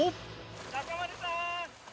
中丸さーん。